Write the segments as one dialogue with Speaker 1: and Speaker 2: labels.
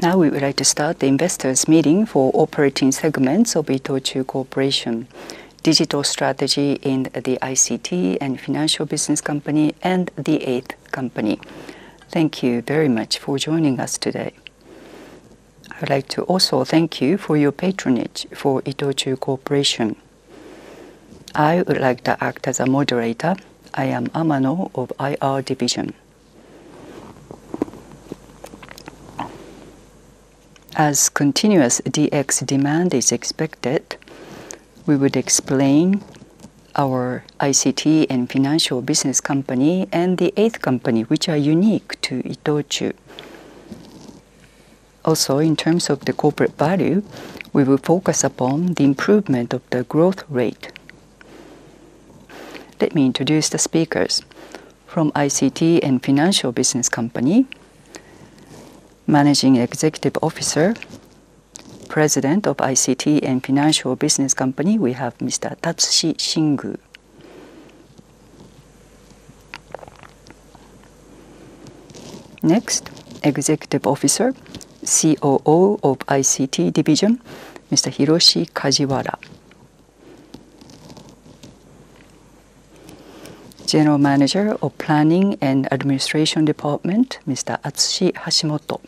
Speaker 1: Now we would like to start the investors' meeting for operating segments of ITOCHU Corporation: Digital Strategy in the ICT and Financial Business Company and The 8th Company. Thank you very much for joining us today. I would like to also thank you for your patronage for ITOCHU Corporation. I would like to act as a moderator. I am Amano of IR Division. As continuous DX demand is expected, we would explain our ICT and Financial Business Company and The 8th Company, which are unique to ITOCHU. Also, in terms of the corporate value, we will focus upon the improvement of the growth rate. Let me introduce the speakers. From ICT and Financial Business Company, Managing Executive Officer, President of ICT and Financial Business Company, we have Mr. Tatsushi Shingu. Next, Executive Officer, COO of ICT Division, Mr. Hiroshi Kajiwara. General Manager of Planning and Administration Department, Mr. Atsushi Hashimoto.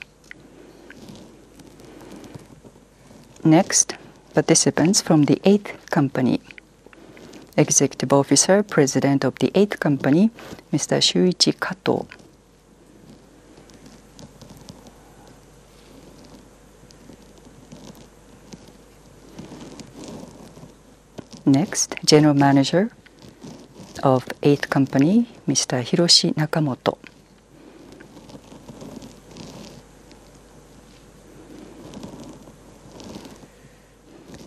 Speaker 1: Next, participants from The 8th Company. Executive Officer, President of The 8th Company, Mr. Shuichi Kato. Next, General Manager of The 8th Company, Mr. Hiroshi Nakamoto.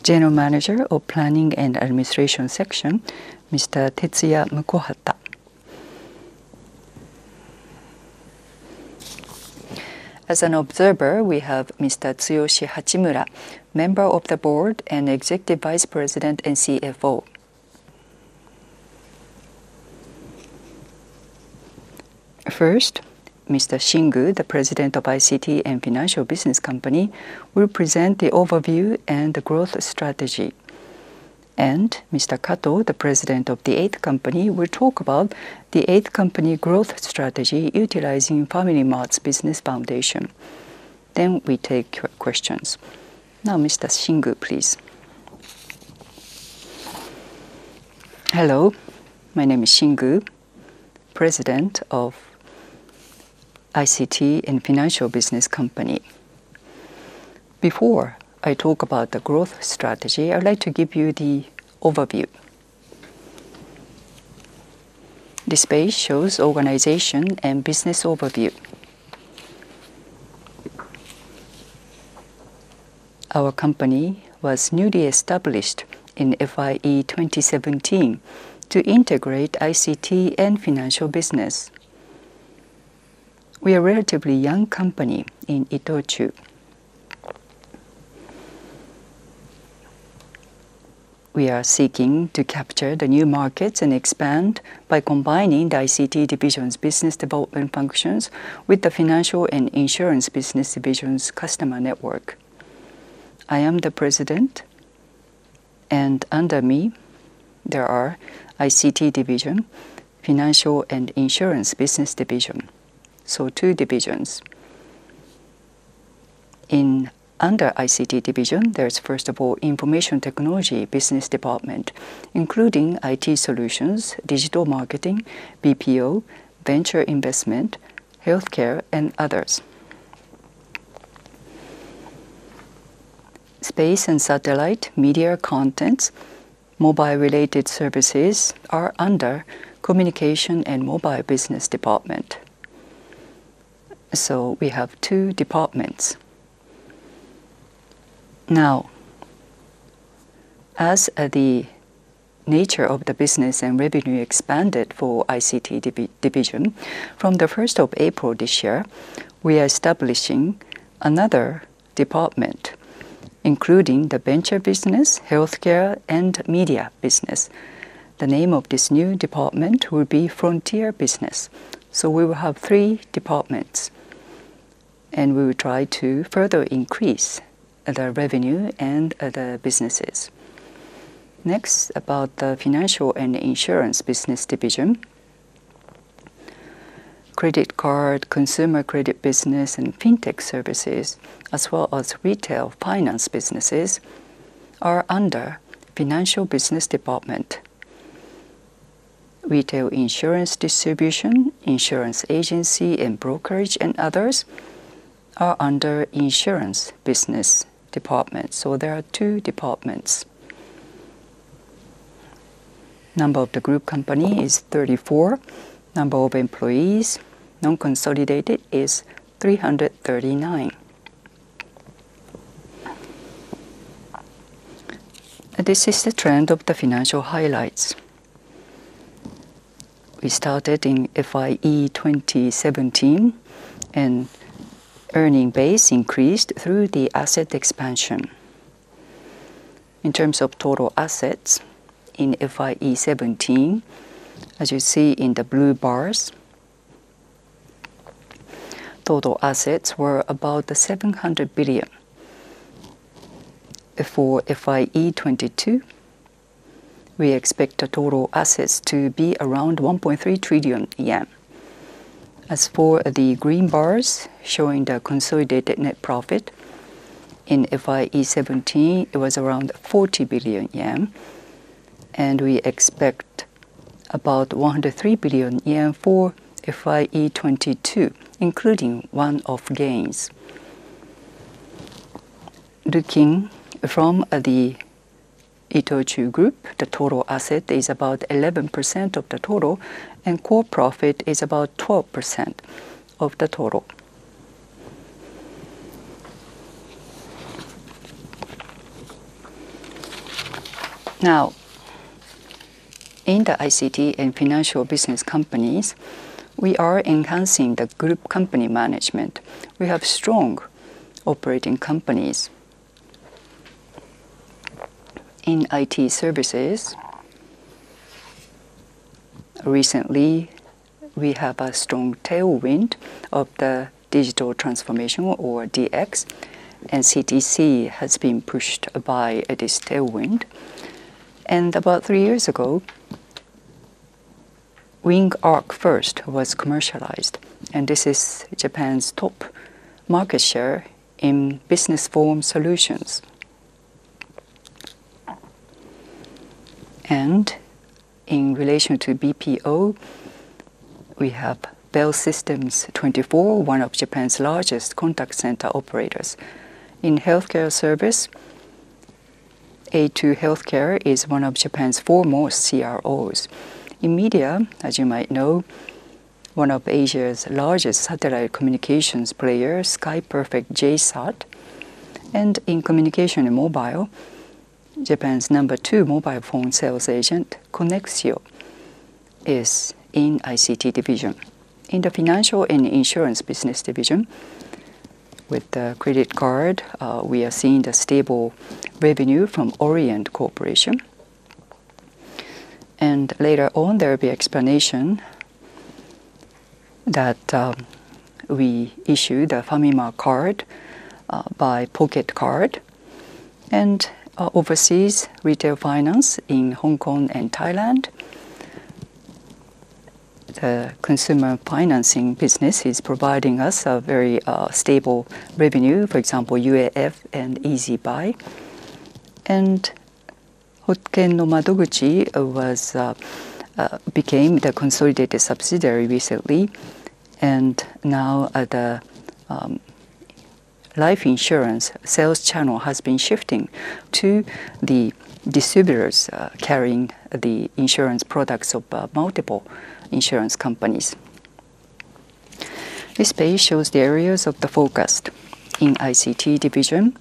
Speaker 1: General Manager of Planning and Administration Section, Mr. Tetsuya Mukohata. As an observer, we have Mr. Tsuyoshi Hachimura, Member of the Board and Executive Vice President and CFO. First, Mr. Shingu, the President of ICT and Financial Business Company, will present the overview and the growth strategy. And Mr. Kato, the President of The 8th Company, will talk about The 8th Company growth strategy utilizing FamilyMart's business foundation. Then we take questions. Now, Mr. Shingu, please.
Speaker 2: Hello. My name is Shingu, President of ICT and Financial Business Company. Before I talk about the growth strategy, I'd like to give you the overview. This page shows organization and business overview. Our company was newly established in FYE 2017 to integrate ICT and financial business. We are a relatively young company in ITOCHU. We are seeking to capture the new markets and expand by combining the ICT division's business development functions with the Financial and Insurance Business Division's customer network. I am the President, and under me, there are ICT division, Financial and Insurance Business Division. So, two divisions. Under ICT division, there is, first of all, Information Technology Business Department, including IT solutions, digital marketing, BPO, venture investment, healthcare, and others. Space-and-satellite media contents, mobile-related services are under Communication and Mobile Business Department. So, we have two departments. Now, as the nature of the business and revenue expanded for ICT division, from the 1st of April this year, we are establishing another department, including the venture business, healthcare, and media business. The name of this new department will be Frontier Business. So, we will have three departments, and we will try to further increase the revenue and the businesses. Next, about the Financial and Insurance Business Division. Credit card, consumer credit business, and fintech services, as well as retail finance businesses, are under Financial Business Department. Retail insurance distribution, insurance agency and brokerage, and others are under Insurance Business Department. So, there are two departments. Number of the group company is 34. Number of employees, non-consolidated, is 339. This is the trend of the financial highlights. We started in FYE 2017, and earnings base increased through the asset expansion. In terms of total assets in FYE 2017, as you see in the blue bars, total assets were about 700 billion. For FYE 2022, we expect the total assets to be around 1.3 trillion yen. As for the green bars showing the consolidated net profit, in FYE 2017, it was around 40 billion yen, and we expect about 103 billion yen for FYE 2022, including one-off gains. Looking from the ITOCHU Group, the total asset is about 11% of the total, and core profit is about 12% of the total. Now, in the ICT and Financial Business Companies, we are enhancing the group company management. We have strong operating companies in IT services. Recently, we have a strong tailwind of the digital transformation, or DX, and CTC has been pushed by this tailwind. About three years ago, WingArc1st was commercialized, and this is Japan's top market share in business form solutions. In relation to BPO, we have BELLSYSTEM24, one of Japan's largest contact center operators. In healthcare service, A2 Healthcare is one of Japan's foremost CROs. In media, as you might know, one of Asia's largest satellite communications players, SKY Perfect JSAT. And in communication and mobile, Japan's number two mobile phone sales agent, CONEXIO, is in ICT division. In the Financial and Insurance Business Division, with the credit card, we are seeing the stable revenue from Orient Corporation. And later on, there will be explanation that we issue the Famima Card by Pocket Card and overseas retail finance in Hong Kong and Thailand. The consumer financing business is providing us a very stable revenue, for example, UAF and Easy Buy. And Hoken no Madoguchi became the consolidated subsidiary recently, and now the life insurance sales channel has been shifting to the distributors carrying the insurance products of multiple insurance companies. This page shows the areas of the focus in ICT division.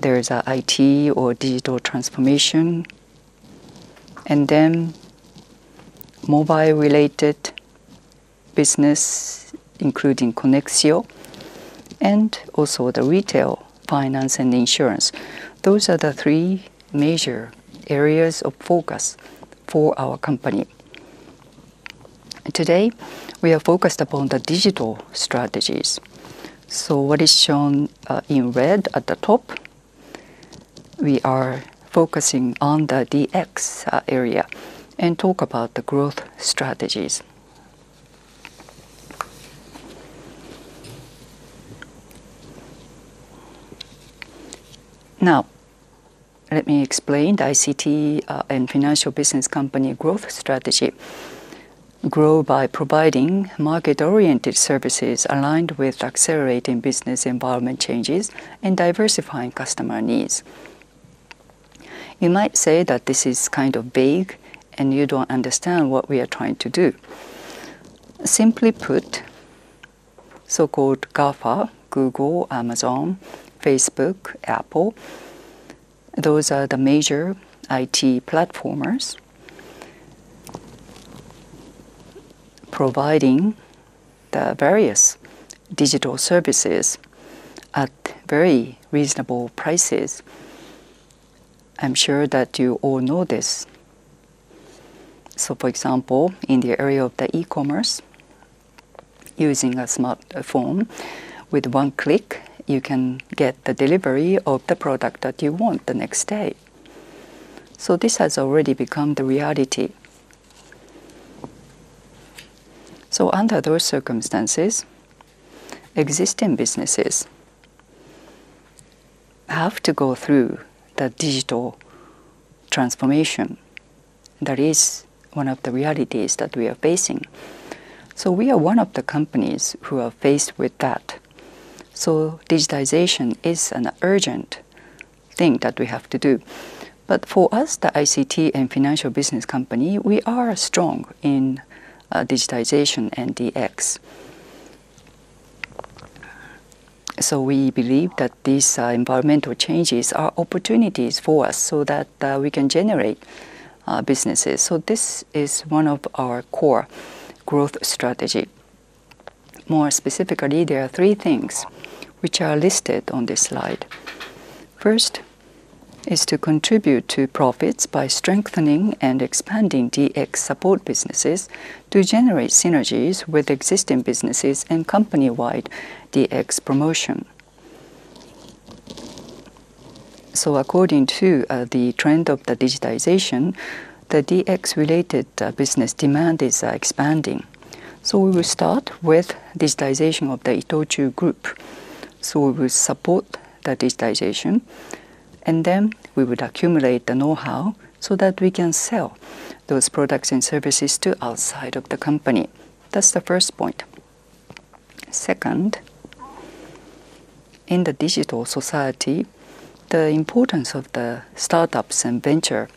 Speaker 2: There is IT or digital transformation, and then mobile-related business, including CONEXIO, and also the retail finance and insurance. Those are the three major areas of focus for our company. Today, we are focused upon the digital strategies. So, what is shown in red at the top, we are focusing on the DX area and talk about the growth strategies. Now, let me explain the ICT and Financial Business Company growth strategy. Grow by providing market-oriented services aligned with accelerating business environment changes and diversifying customer needs. You might say that this is kind of vague, and you don't understand what we are trying to do. Simply put, so-called GAFA, Google, Amazon, Facebook, Apple, those are the major IT platformers, providing the various digital services at very reasonable prices. I'm sure that you all know this. For example, in the area of e-commerce, using a smartphone, with one click, you can get the delivery of the product that you want the next day. This has already become the reality. Under those circumstances, existing businesses have to go through the digital transformation. That is one of the realities that we are facing. We are one of the companies who are faced with that. Digitization is an urgent thing that we have to do. But for us, the ICT and Financial Business Company, we are strong in digitization and DX. We believe that these environmental changes are opportunities for us so that we can generate businesses. This is one of our core growth strategies. More specifically, there are three things which are listed on this slide. First is to contribute to profits by strengthening and expanding DX support businesses to generate synergies with existing businesses and company-wide DX promotion. So, according to the trend of the digitization, the DX-related business demand is expanding. So, we will start with digitization of the ITOCHU Group. So, we will support the digitization, and then we would accumulate the know-how so that we can sell those products and services to outside of the company. That's the first point. Second, in the digital society, the importance of the startups and venture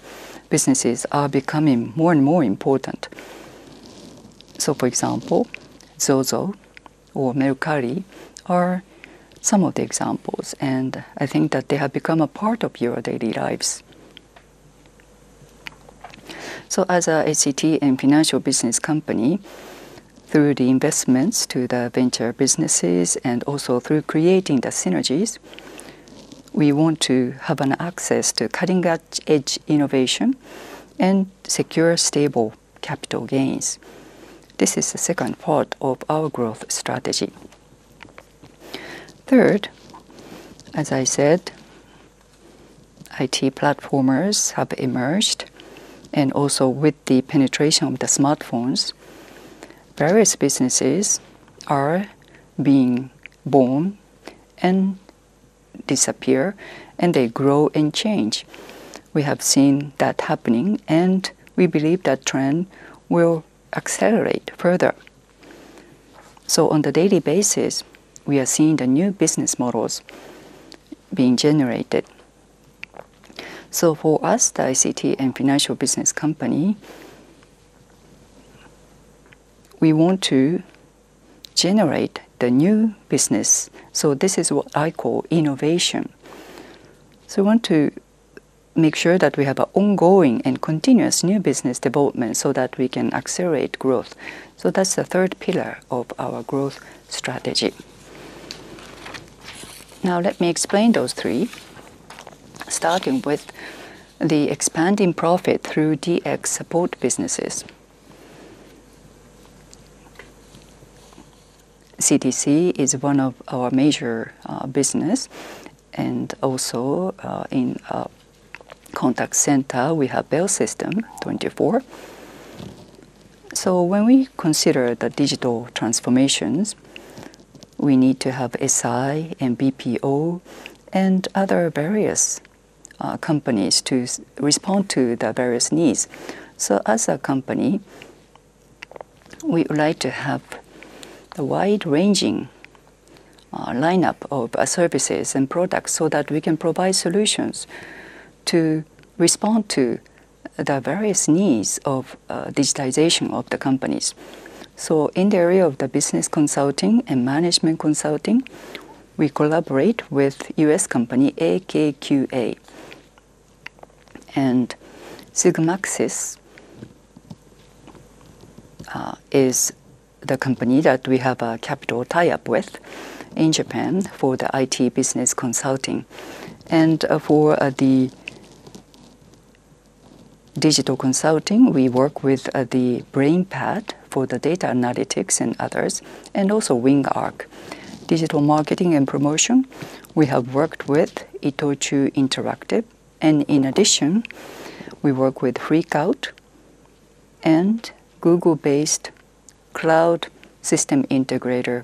Speaker 2: businesses is becoming more and more important. So, for example, ZOZO or Mercari are some of the examples, and I think that they have become a part of your daily lives. So, as an ICT and Financial Business Company, through the investments to the venture businesses and also through creating the synergies, we want to have access to cutting-edge innovation and secure stable capital gains. This is the second part of our growth strategy. Third, as I said, IT platformers have emerged, and also with the penetration of the smartphones, various businesses are being born and disappear, and they grow and change. We have seen that happening, and we believe that trend will accelerate further. So, on the daily basis, we are seeing the new business models being generated. So, for us, the ICT and Financial Business Company, we want to generate the new business. So, this is what I call innovation. So, we want to make sure that we have ongoing and continuous new business development so that we can accelerate growth. That's the third pillar of our growth strategy. Now, let me explain those three, starting with the expanding profit through DX support businesses. CTC is one of our major businesses, and also in contact center, we have BELLSYSTEM24. When we consider the digital transformations, we need to have SI and BPO and other various companies to respond to the various needs. As a company, we would like to have a wide-ranging lineup of services and products so that we can provide solutions to respond to the various needs of digitization of the companies. In the area of the business consulting and management consulting, we collaborate with U.S. company AKQA. SIGMAXYZ is the company that we have a capital tie-up with in Japan for the IT business consulting. And for the digital consulting, we work with the BrainPad for the data analytics and others, and also WingArc1st. Digital marketing and promotion, we have worked with ITOCHU Interactive. And in addition, we work with FreakOut and Google-based cloud system integrator,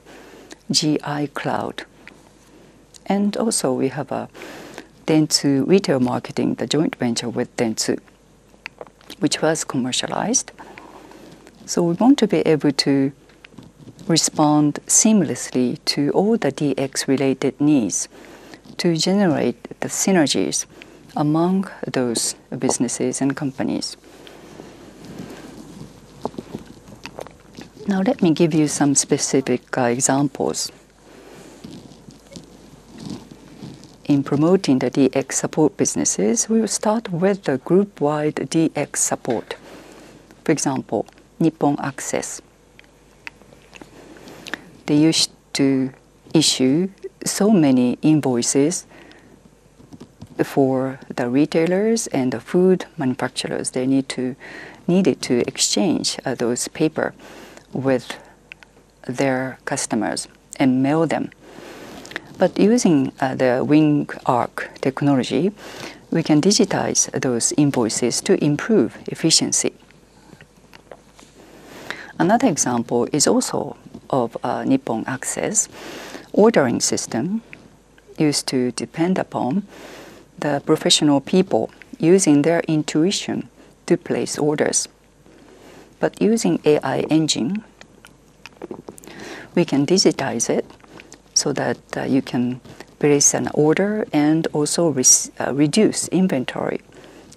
Speaker 2: G-gen. And also, we have a Dentsu Retail Marketing, the joint venture with Dentsu, which was commercialized. So, we want to be able to respond seamlessly to all the DX-related needs to generate the synergies among those businesses and companies. Now, let me give you some specific examples. In promoting the DX support businesses, we will start with the group-wide DX support. For example, Nippon Access. They used to issue so many invoices for the retailers and the food manufacturers. They needed to exchange those papers with their customers and mail them. But using the WingArc technology, we can digitize those invoices to improve efficiency. Another example is also of Nippon Access. Ordering system used to depend upon the professional people using their intuition to place orders. But using AI engine, we can digitize it so that you can place an order and also reduce inventory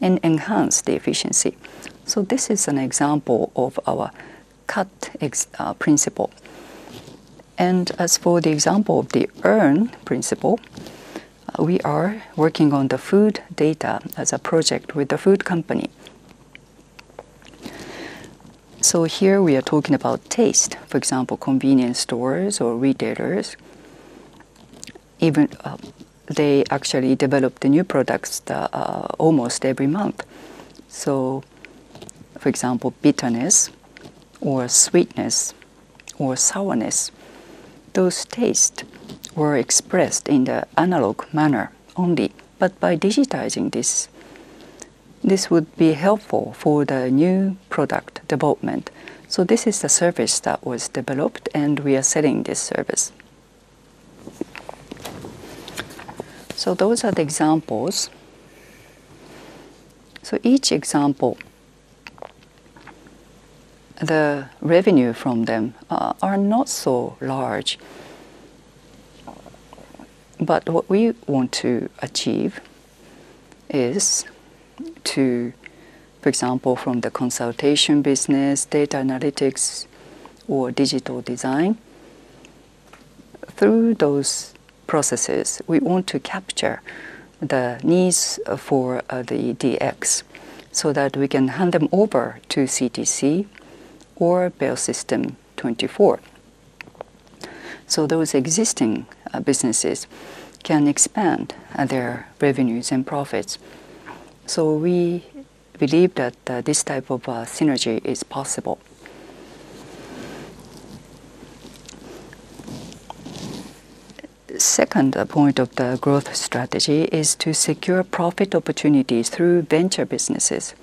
Speaker 2: and enhance the efficiency. So, this is an example of our cut principle. And as for the example of the earn principle, we are working on the food data as a project with the food company. So, here we are talking about taste. For example, convenience stores or retailers, even they actually develop the new products almost every month. So, for example, bitterness or sweetness or sourness, those tastes were expressed in the analog manner only. But by digitizing this, this would be helpful for the new product development. So, this is the service that was developed, and we are selling this service. So, those are the examples. Each example, the revenue from them are not so large. But what we want to achieve is to, for example, from the consultation business, data analytics, or digital design, through those processes, we want to capture the needs for the DX so that we can hand them over to CTC or BELLSYSTEM24. So, those existing businesses can expand their revenues and profits. So, we believe that this type of synergy is possible. The second point of the growth strategy is to secure profit opportunities through venture businesses.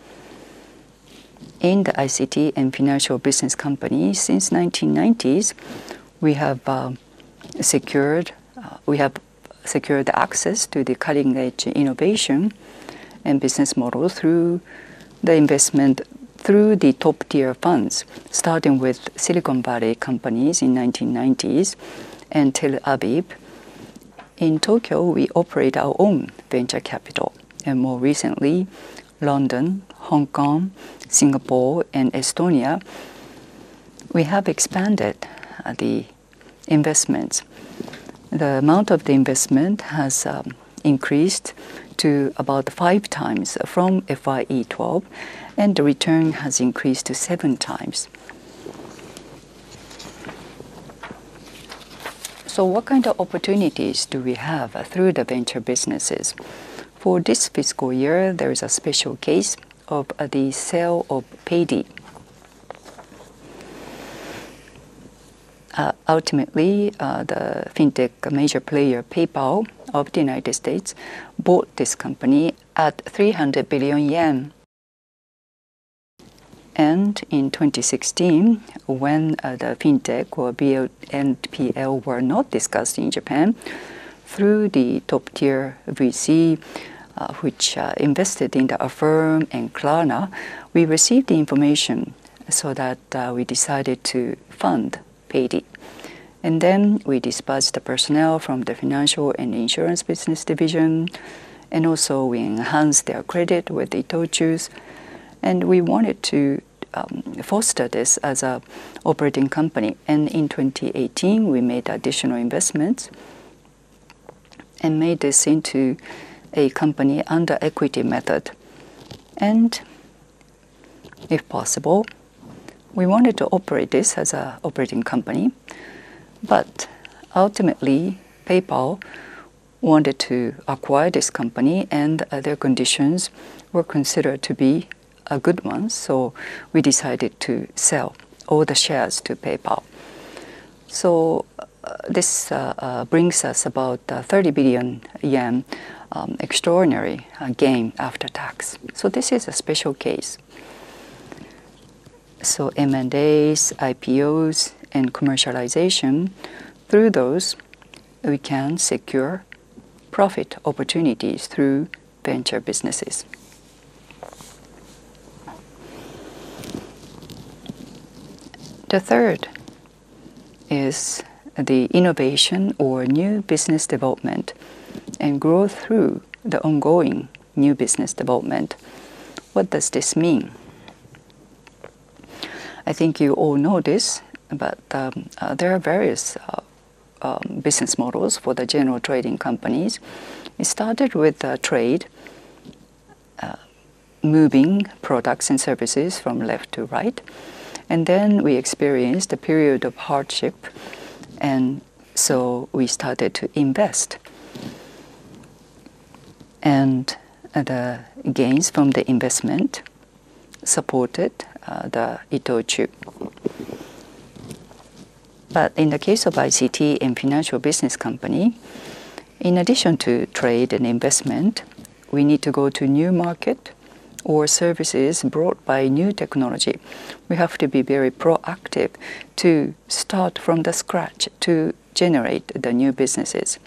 Speaker 2: In the ICT and Financial Business Company, since the 1990s, we have secured access to the cutting-edge innovation and business models through the investment through the top-tier funds, starting with Silicon Valley companies in the 1990s until ABIB. In Tokyo, we operate our own venture capital. And more recently, London, Hong Kong, Singapore, and Estonia, we have expanded the investments. The amount of the investment has increased to about five times from FYE 2012, and the return has increased to seven times. What kind of opportunities do we have through the venture businesses? For this fiscal year, there is a special case of the sale of Paidy. Ultimately, the fintech major player PayPal of the United States bought this company at 300 billion yen. In 2016, when the fintech or BNPL were not discussed in Japan, through the top-tier VC, which invested in the Affirm and Klarna, we received the information so that we decided to fund Paidy. Then we dispatched the personnel from the Financial and Insurance Business Division, and also we enhanced their credit with ITOCHU's. We wanted to foster this as an operating company. In 2018, we made additional investments and made this into a company under equity method. If possible, we wanted to operate this as an operating company. Ultimately, PayPal wanted to acquire this company, and their conditions were considered to be good ones. We decided to sell all the shares to PayPal. This brings us about 30 billion yen extraordinary gain after tax. This is a special case. M&As, IPOs, and commercialization, through those, we can secure profit opportunities through venture businesses. The third is the innovation or new business development and growth through the ongoing new business development. What does this mean? I think you all know this, but there are various business models for the general trading companies. It started with trade, moving products and services from left to right. Then we experienced a period of hardship, and so we started to invest. The gains from the investment supported the ITOCHU. But in the case of ICT and Financial Business Company, in addition to trade and investment, we need to go to new markets or services brought by new technology. We have to be very proactive to start from the scratch to generate the new businesses.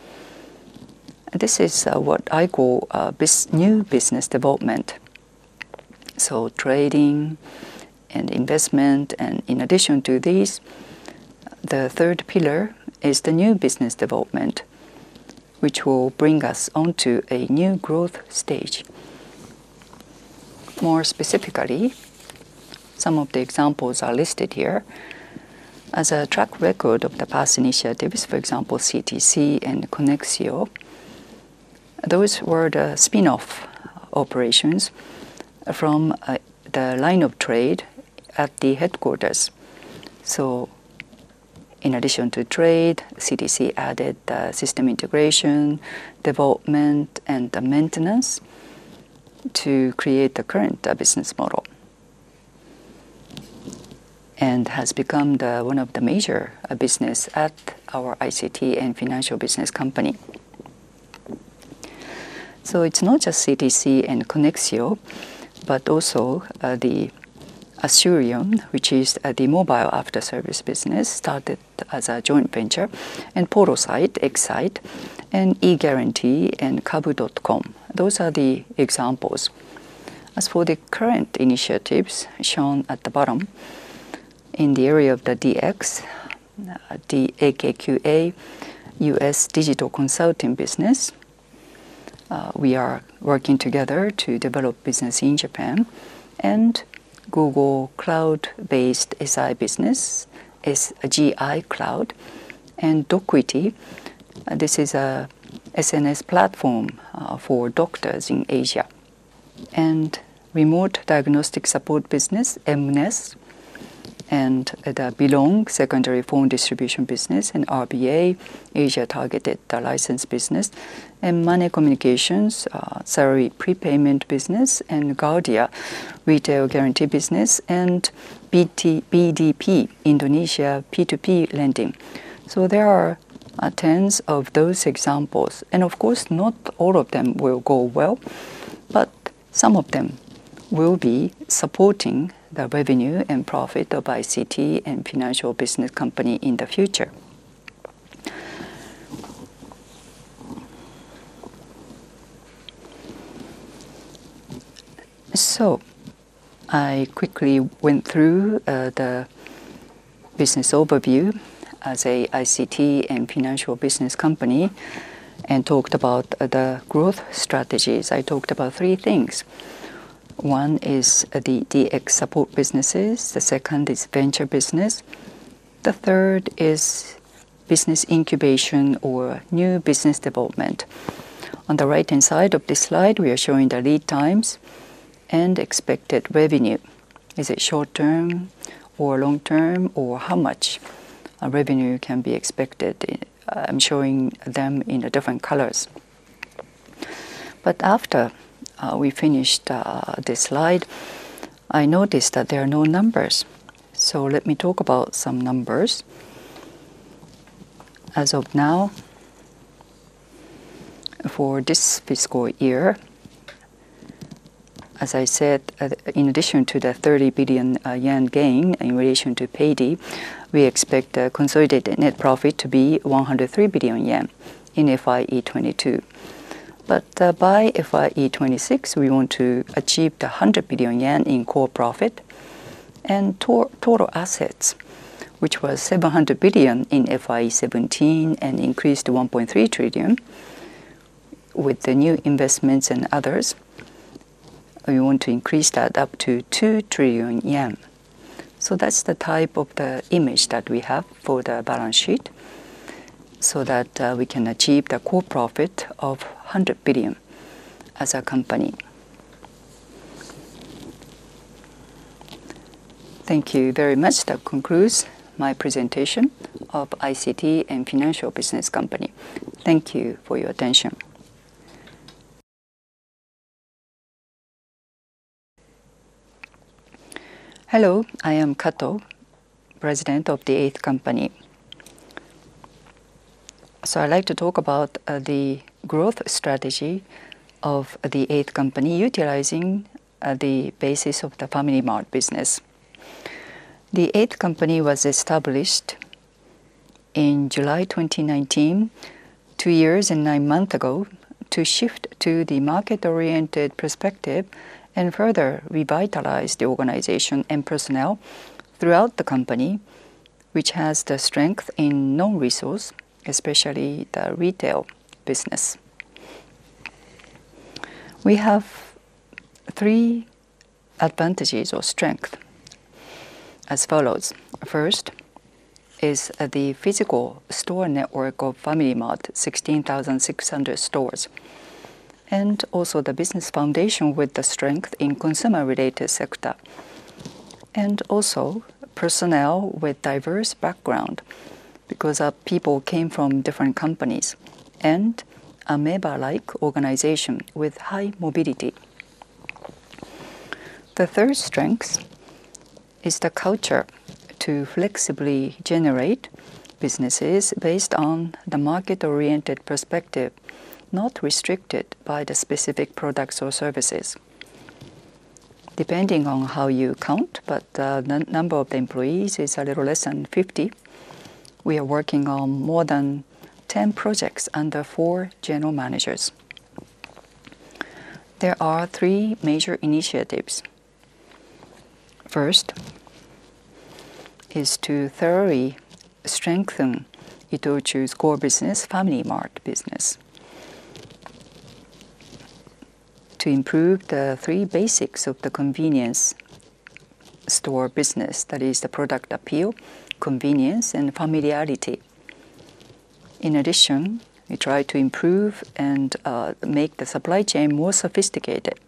Speaker 2: This is what I call new business development. So, trading and investment. And in addition to these, the third pillar is the new business development, which will bring us onto a new growth stage. More specifically, some of the examples are listed here. As a track record of the past initiatives, for example, CTC and CONEXIO, those were the spin-off operations from the line of trade at the headquarters. So, in addition to trade, CTC added system integration, development, and maintenance to create the current business model. And has become one of the major businesses at our ICT and Financial Business Company. So, it's not just CTC and CONEXIO, but also Asurion, which is the mobile after-service business started as a joint venture, and Paidy, Excite, and eGuarantee, and Kabu.com. Those are the examples. As for the current initiatives shown at the bottom, in the area of the DX, the AKQA US Digital Consulting Business, we are working together to develop business in Japan, and Google Cloud-based SI business, GI Cloud, and Docquity. This is an SNS platform for doctors in Asia. And remote diagnostic support business, MNES, and the Belong secondary phone distribution business, and RBA, Asia-targeted license business, and Money Communication, salary prepayment business, and Gardia, retail guarantee business, and BDP, Indonesia, P2P lending. So, there are tens of those examples. Of course, not all of them will go well, but some of them will be supporting the revenue and profit of ICT and Financial Business Company in the future. I quickly went through the business overview as an ICT and Financial Business Company and talked about the growth strategies. I talked about three things. One is the DX support businesses. The second is venture business. The third is business incubation or new business development. On the right-hand side of this slide, we are showing the lead times and expected revenue. Is it short-term or long-term, or how much revenue can be expected? I'm showing them in different colors. After we finished this slide, I noticed that there are no numbers. Let me talk about some numbers. As of now, for this fiscal year, as I said, in addition to the 30 billion yen gain in relation to Paidy, we expect the consolidated net profit to be 103 billion yen in FYE 2022. But by FYE 2026, we want to achieve the 100 billion yen in core profit and total assets, which was 700 billion in FYE 2017 and increased to 1.3 trillion with the new investments and others. We want to increase that up to 2 trillion yen. So, that's the type of the image that we have for the balance sheet so that we can achieve the core profit of 100 billion as a company. Thank you very much. That concludes my presentation of ICT and Financial Business Company. Thank you for your attention.
Speaker 3: Hello. I am Kato, President of The 8th Company. I'd like to talk about the growth strategy of The 8th Company utilizing the basis of the FamilyMart business. The 8th Company was established in July 2019, two years and nine months ago, to shift to the market-oriented perspective and further revitalize the organization and personnel throughout the company, which has the strength in non-resource, especially the retail business. We have three advantages or strengths as follows. First is the physical store network of FamilyMart, 16,600 stores, and also the business foundation with the strength in consumer-related sector, and also personnel with diverse background because people came from different companies and a member-like organization with high mobility. The third strength is the culture to flexibly generate businesses based on the market-oriented perspective, not restricted by the specific products or services. Depending on how you count, but the number of employees is a little less than 50. We are working on more than 10 projects under four general managers. There are three major initiatives. First is to thoroughly strengthen ITOCHU's core business, FamilyMart business, to improve the three basics of the convenience store business, that is, the product appeal, convenience, and familiarity. In addition, we try to improve and make the supply chain more sophisticated.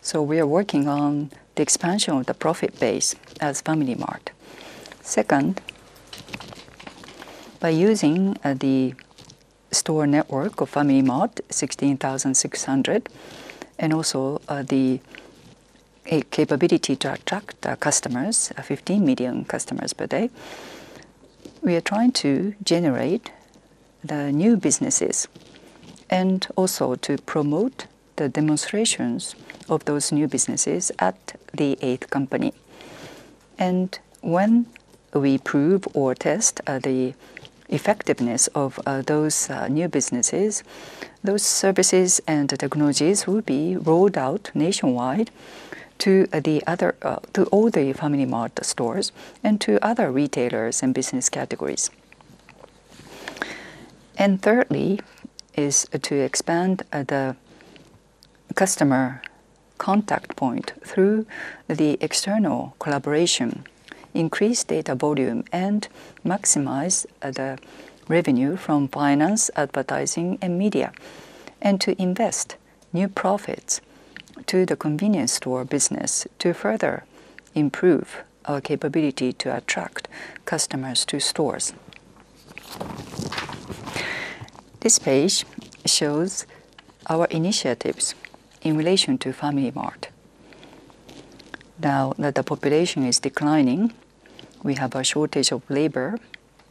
Speaker 3: So, we are working on the expansion of the profit base as FamilyMart. Second, by using the store network of FamilyMart, 16,600, and also the capability to attract customers, 15 million customers per day, we are trying to generate the new businesses and also to promote the demonstrations of those new businesses at The 8th Company, and when we prove or test the effectiveness of those new businesses, those services and technologies will be rolled out nationwide to all the FamilyMart stores and to other retailers and business categories. And thirdly is to expand the customer contact point through the external collaboration, increase data volume, and maximize the revenue from finance, advertising, and media, and to invest new profits to the convenience store business to further improve our capability to attract customers to stores. This page shows our initiatives in relation to FamilyMart. Now that the population is declining, we have a shortage of labor,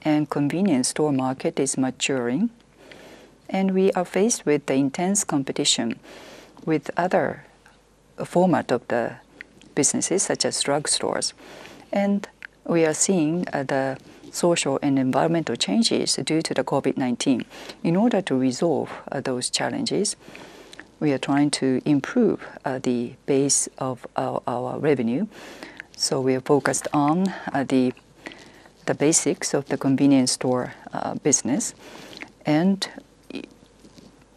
Speaker 3: and the convenience store market is maturing. And we are faced with the intense competition with other formats of the businesses, such as drug stores. And we are seeing the social and environmental changes due to the COVID-19. In order to resolve those challenges, we are trying to improve the base of our revenue. So, we are focused on the basics of the convenience store business and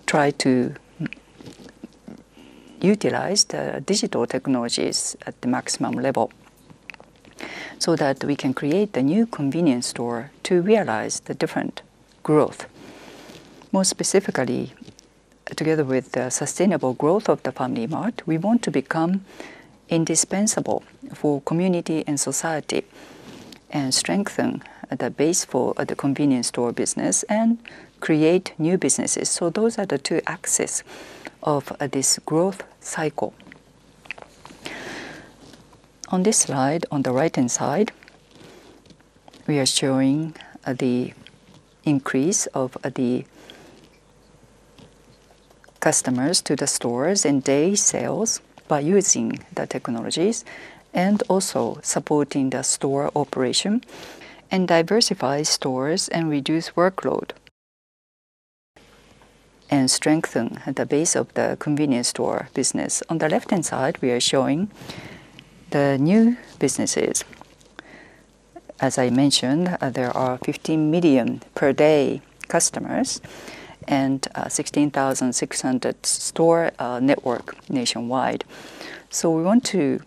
Speaker 3: try to utilize the digital technologies at the maximum level so that we can create the new convenience store to realize the different growth. More specifically, together with the sustainable growth of the FamilyMart, we want to become indispensable for community and society and strengthen the base for the convenience store business and create new businesses. So, those are the two axes of this growth cycle. On this slide, on the right-hand side, we are showing the increase of the customers to the stores and day sales by using the technologies and also supporting the store operation and diversify stores and reduce workload and strengthen the base of the convenience store business. On the left-hand side, we are showing the new businesses. As I mentioned, there are 15 million per day customers and 16,600 store network nationwide. So, we want to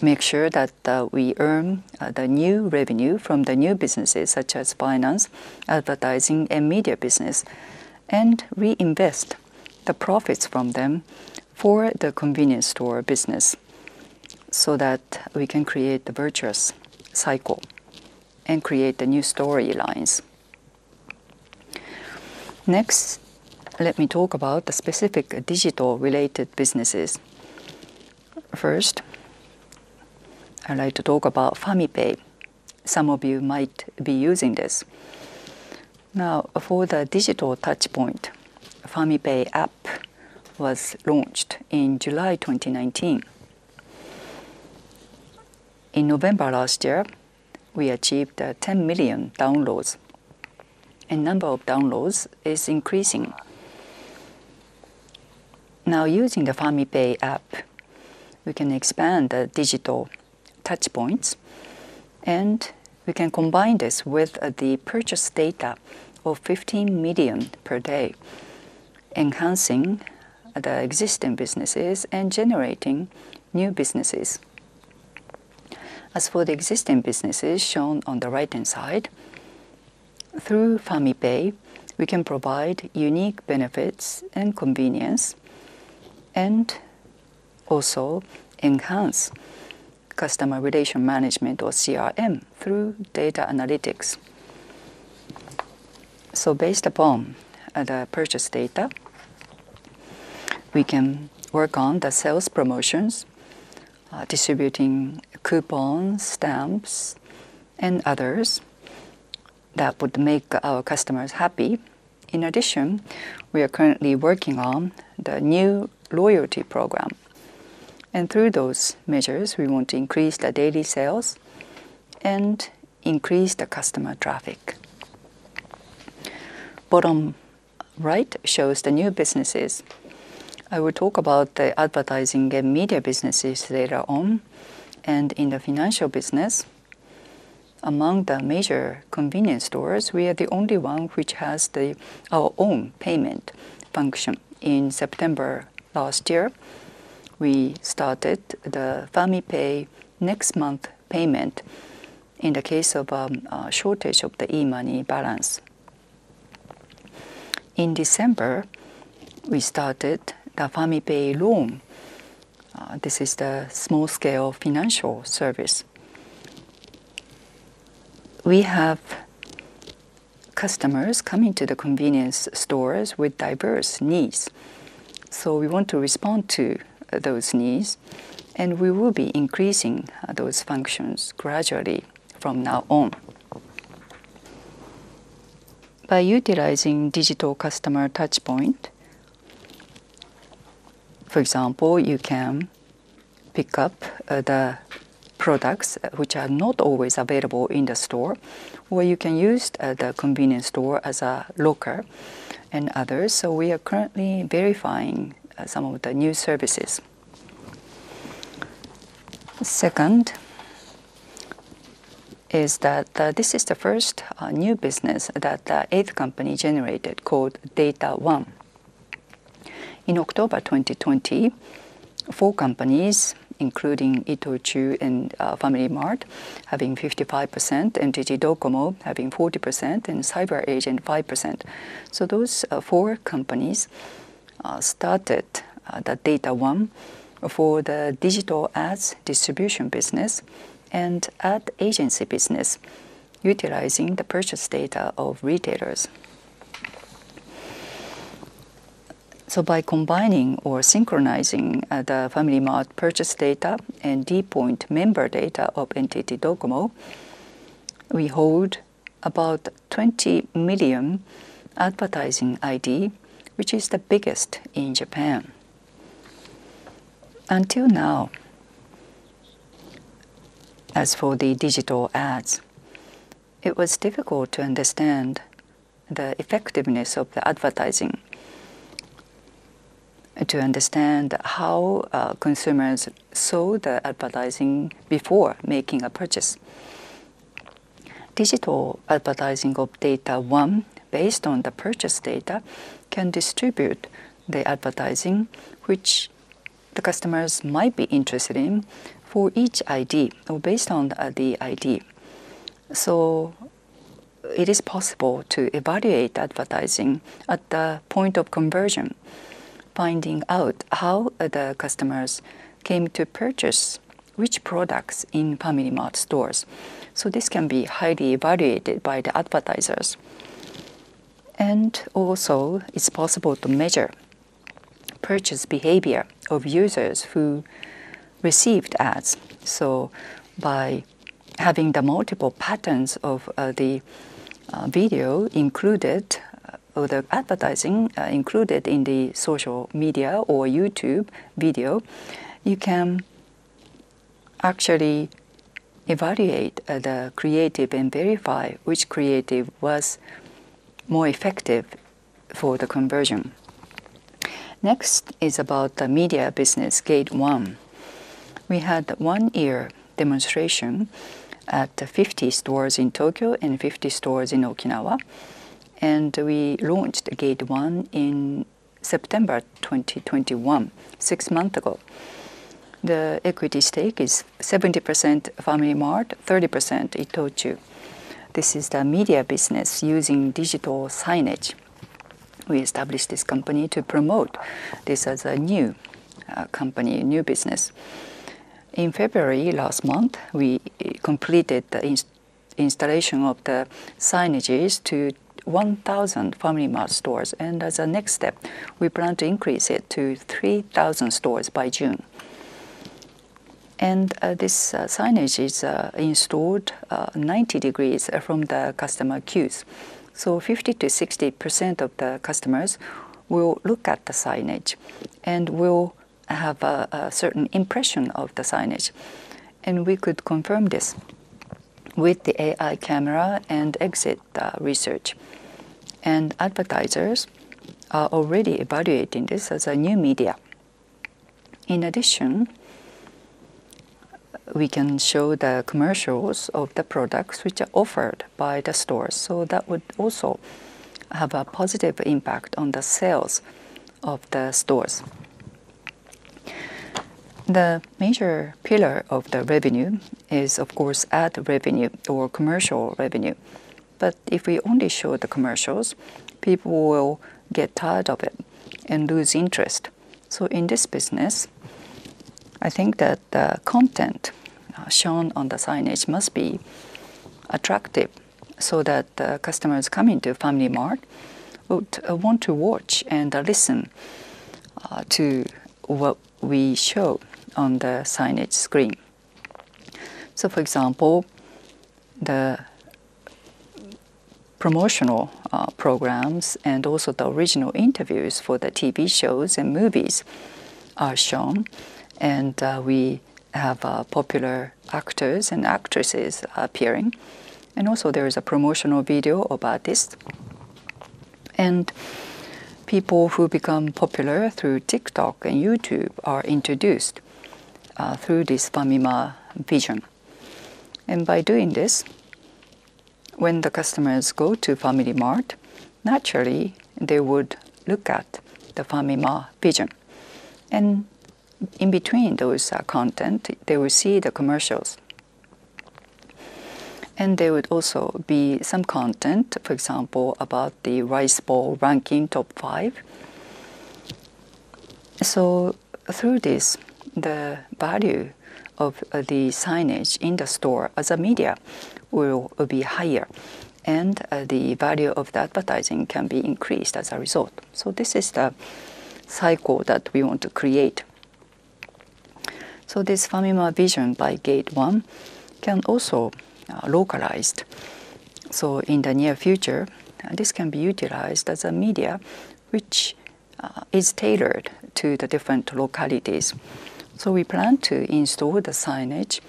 Speaker 3: make sure that we earn the new revenue from the new businesses, such as finance, advertising, and media business, and reinvest the profits from them for the convenience store business so that we can create the virtuous cycle and create the new storylines. Next, let me talk about the specific digital-related businesses. First, I'd like to talk about FamiPay. Some of you might be using this. Now, for the digital touchpoint, FamiPay app was launched in July 2019. In November last year, we achieved 10 million downloads, and the number of downloads is increasing. Now, using the FamiPay app, we can expand the digital touchpoints, and we can combine this with the purchase data of 15 million per day, enhancing the existing businesses and generating new businesses. As for the existing businesses shown on the right-hand side, through FamiPay, we can provide unique benefits and convenience and also enhance customer relationship management or CRM through data analytics. So, based upon the purchase data, we can work on the sales promotions, distributing coupons, stamps, and others that would make our customers happy. In addition, we are currently working on the new loyalty program, and through those measures, we want to increase the daily sales and increase the customer traffic. Bottom right shows the new businesses. I will talk about the advertising and media businesses later on, and in the financial business, among the major convenience stores, we are the only one which has our own payment function. In September last year, we started the FamiPay Next Month Payment in the case of a shortage of the e-money balance. In December, we started the FamiPay Loan. This is the small-scale financial service. We have customers coming to the convenience stores with diverse needs. So, we want to respond to those needs, and we will be increasing those functions gradually from now on. By utilizing digital customer touchpoint, for example, you can pick up the products which are not always available in the store, or you can use the convenience store as a locker and others. So, we are currently verifying some of the new services. Second is that this is the first new business that the The 8th Company generated called Data One. In October 2020, four companies, including ITOCHU and FamilyMart, having 55%, and NTT DOCOMO having 40%, and CyberAgent 5%. So, those four companies started the Data One for the digital ads distribution business and ad agency business, utilizing the purchase data of retailers. By combining or synchronizing the FamilyMart purchase data and d POINT member data of NTT DOCOMO, we hold about 20 million advertising IDs, which is the biggest in Japan. Until now, as for the digital ads, it was difficult to understand the effectiveness of the advertising, to understand how consumers saw the advertising before making a purchase. Digital advertising of Data One, based on the purchase data, can distribute the advertising which the customers might be interested in for each ID or based on the ID. It is possible to evaluate advertising at the point of conversion, finding out how the customers came to purchase which products in FamilyMart stores. This can be highly evaluated by the advertisers. And also, it's possible to measure purchase behavior of users who received ads. By having the multiple patterns of the video included or the advertising included in the social media or YouTube video, you can actually evaluate the creative and verify which creative was more effective for the conversion. Next is about the media business, Gate One. We had one-year demonstration at 50 stores in Tokyo and 50 stores in Okinawa. We launched Gate One in September 2021, six months ago. The equity stake is 70% FamilyMart, 30% ITOCHU. This is the media business using digital signage. We established this company to promote this as a new company, new business. In February last month, we completed the installation of the signages to 1,000 FamilyMart stores. As a next step, we plan to increase it to 3,000 stores by June. This signage is installed 90 degrees from the customer queues. So, 50%-60% of the customers will look at the signage and will have a certain impression of the signage. And we could confirm this with the AI camera and exit research. And advertisers are already evaluating this as a new media. In addition, we can show the commercials of the products which are offered by the stores. So, that would also have a positive impact on the sales of the stores. The major pillar of the revenue is, of course, ad revenue or commercial revenue. But if we only show the commercials, people will get tired of it and lose interest. So, in this business, I think that the content shown on the signage must be attractive so that the customers coming to FamilyMart would want to watch and listen to what we show on the signage screen. So, for example, the promotional programs and also the original interviews for the TV shows and movies are shown, and we have popular actors and actresses appearing, and also, there is a promotional video about this, and people who become popular through TikTok and YouTube are introduced through this FamilyMartVision, and by doing this, when the customers go to FamilyMart, naturally, they would look at the FamilyMartVision, and in between those content, they will see the commercials, and there would also be some content, for example, about the rice ball ranking top five, so through this, the value of the signage in the store as a media will be higher, and the value of the advertising can be increased as a result, so this is the cycle that we want to create, so this FamilyMartVision by Gate One can also be localized. In the near future, this can be utilized as a media which is tailored to the different localities. We plan to install the signage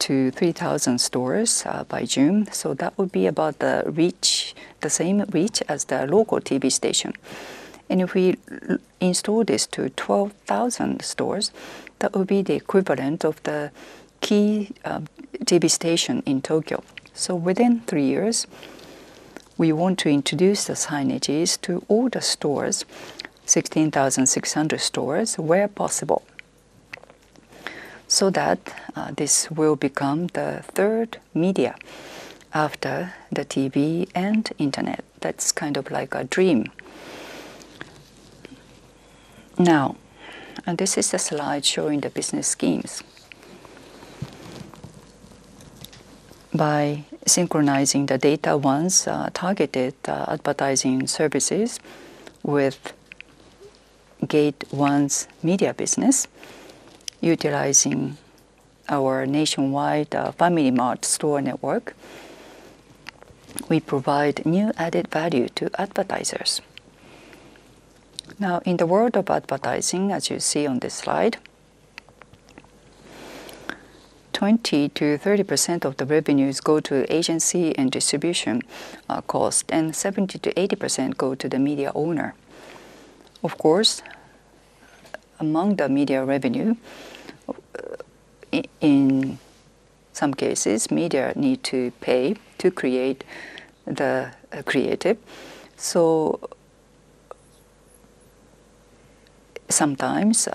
Speaker 3: to 3,000 stores by June. That would be about the reach, the same reach as the local TV station. If we install this to 12,000 stores, that would be the equivalent of the key TV station in Tokyo. Within three years, we want to introduce the signages to all the stores, 16,600 stores where possible, so that this will become the third media after the TV and internet. That's kind of like a dream. Now, this is a slide showing the business schemes. By synchronizing the Data One's targeted advertising services with Gate One's media business, utilizing our nationwide FamilyMart store network, we provide new added value to advertisers. Now, in the world of advertising, as you see on this slide, 20%-30% of the revenues go to agency and distribution cost, and 70%-80% go to the media owner. Of course, among the media revenue, in some cases, media need to pay to create the creative. So, sometimes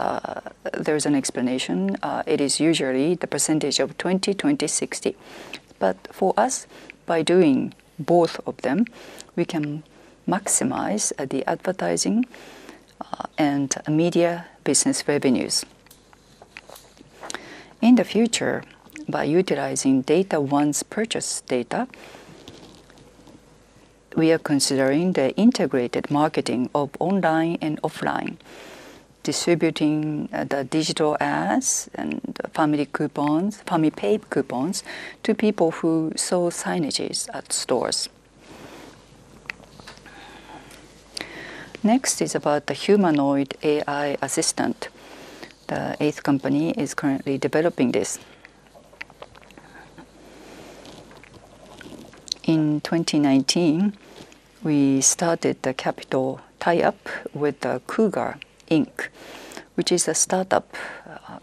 Speaker 3: there's an explanation. It is usually the percentage of 20%, 20%, 60%. But for us, by doing both of them, we can maximize the advertising and media business revenues. In the future, by utilizing Data One's purchase data, we are considering the integrated marketing of online and offline, distributing the digital ads and family coupons, FamiPay coupons to people who sell signages at stores. Next is about the Humanoid AI assistant. The 8th Company is currently developing this. In 2019, we started the capital tie-up with Couger Inc., which is a startup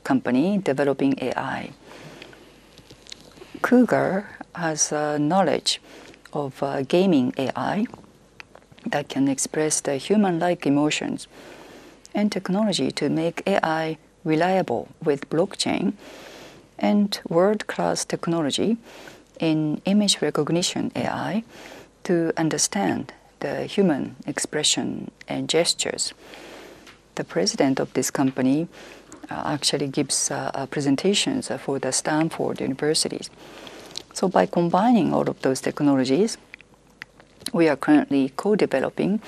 Speaker 3: company developing AI. Couger has knowledge of gaming AI that can express the human-like emotions and technology to make AI reliable with blockchain and world-class technology in image recognition AI to understand the human expression and gestures. The president of this company actually gives presentations for the Stanford University. By combining all of those technologies, we are currently co-developing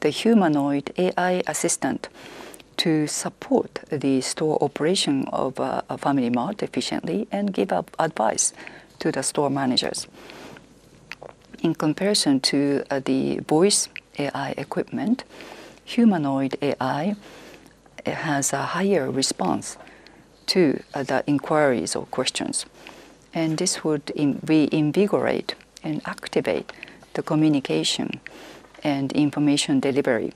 Speaker 3: the humanoid AI assistant to support the store operation of FamilyMart efficiently and give advice to the store managers. In comparison to the voice AI equipment, humanoid AI has a higher response to the inquiries or questions. This would reinvigorate and activate the communication and information delivery.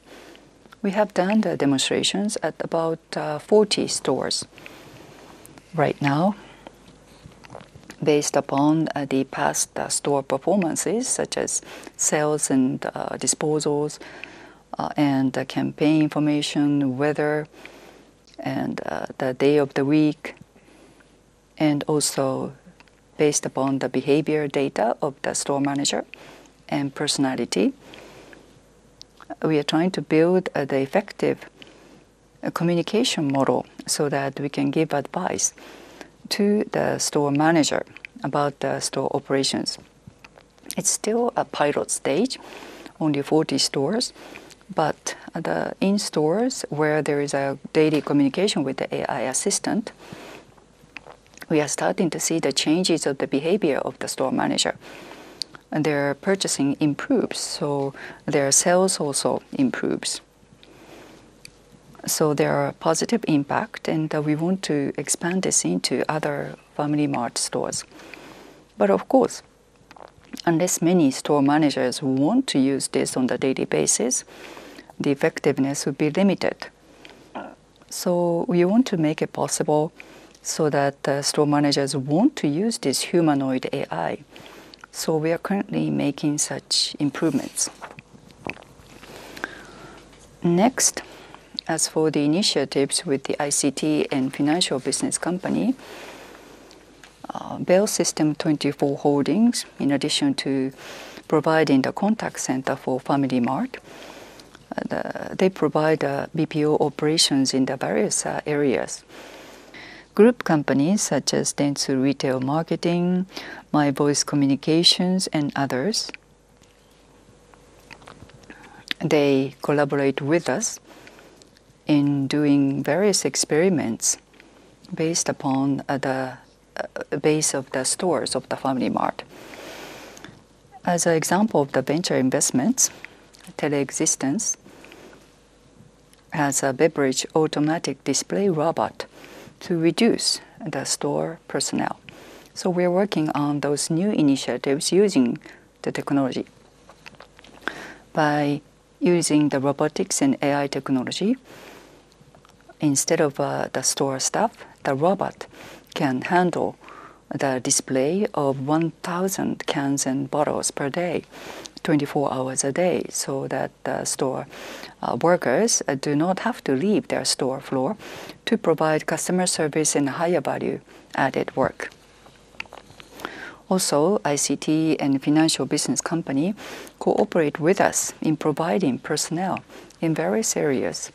Speaker 3: We have done the demonstrations at about 40 stores right now, based upon the past store performances, such as sales and disposals and campaign information, weather and the day of the week. Also, based upon the behavior data of the store manager and personality, we are trying to build the effective communication model so that we can give advice to the store manager about the store operations. It's still a pilot stage, only 40 stores. In stores where there is a daily communication with the AI assistant, we are starting to see the changes of the behavior of the store manager. Their purchasing improves, so their sales also improves. There are positive impacts, and we want to expand this into other FamilyMart stores. Of course, unless many store managers want to use this on a daily basis, the effectiveness would be limited. We want to make it possible so that store managers want to use this humanoid AI. We are currently making such improvements. Next, as for the initiatives with the ICT and Financial Business Company, BELLSYSTEM24 Holdings, in addition to providing the contact center for FamilyMart, they provide BPO operations in the various areas. Group companies such as Dentsu Retail Marketing, MyVoice Communications, and others, they collaborate with us in doing various experiments based upon the base of the stores of the FamilyMart. As an example of the venture investments, Telexistence has a beverage automatic display robot to reduce the store personnel. So, we are working on those new initiatives using the technology. By using the robotics and AI technology, instead of the store staff, the robot can handle the display of 1,000 cans and bottles per day, 24 hours a day, so that the store workers do not have to leave their store floor to provide customer service and higher value-added work. Also, ICT and Financial Business Company cooperate with us in providing personnel in various areas,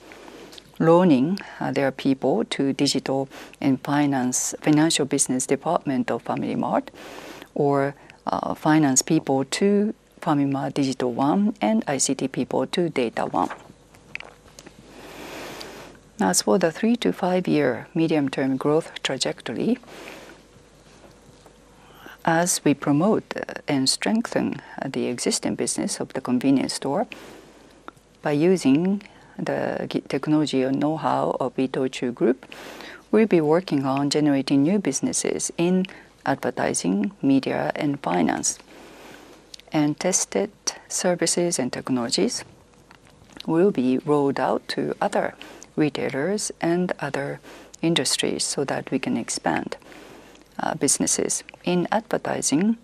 Speaker 3: loaning their people to Digital and Financial Business Department of FamilyMart, or finance people to FamilyMart Data One and ICT people to Data One. As for the three to five-year medium-term growth trajectory, as we promote and strengthen the existing business of the convenience store by using the technology and know-how of ITOCHU Group, we'll be working on generating new businesses in advertising, media, and finance. Tested services and technologies will be rolled out to other retailers and other industries so that we can expand businesses. In advertising,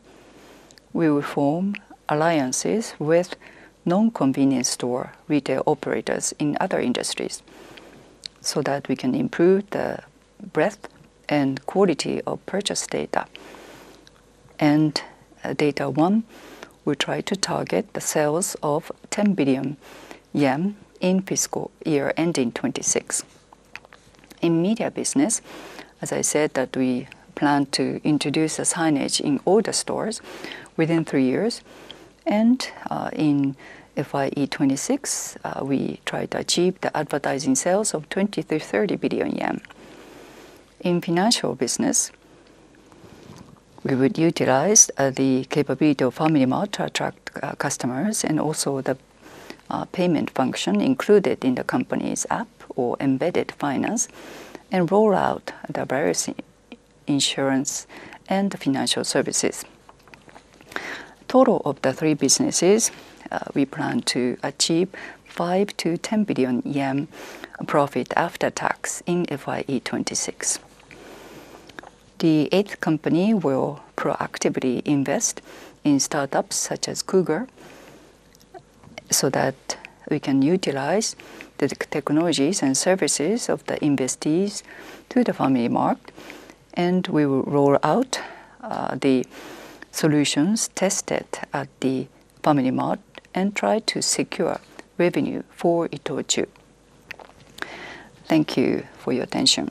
Speaker 3: we will form alliances with non-convenience store retail operators in other industries so that we can improve the breadth and quality of purchase data. Data One will try to target the sales of 10 billion yen in fiscal year ending 2026. In media business, as I said, we plan to introduce a signage in all the stores within three years. In FYE 2026, we try to achieve the advertising sales of 20 billion-30 billion yen. In financial business, we would utilize the capability of FamilyMart to attract customers and also the payment function included in the company's app or embedded finance and roll out the various insurance and financial services. Total of the three businesses, we plan to achieve 5 billion-10 billion yen profit after tax in FYE 2026. The 8th Company will proactively invest in startups such as Couger so that we can utilize the technologies and services of the investees to the FamilyMart. We will roll out the solutions tested at the FamilyMart and try to secure revenue for ITOCHU. Thank you for your attention.